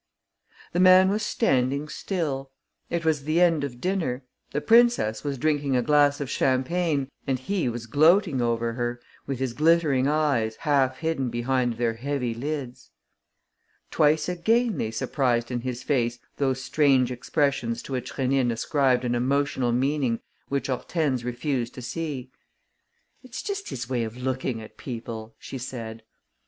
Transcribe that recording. The man was standing still. It was the end of dinner. The princess was drinking a glass of champagne and he was gloating over her with his glittering eyes half hidden behind their heavy lids. Twice again they surprised in his face those strange expressions to which Rénine ascribed an emotional meaning which Hortense refused to see: "It's just his way of looking at people," she said.